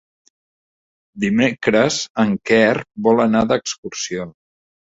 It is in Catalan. Dimecres en Quer vol anar d'excursió.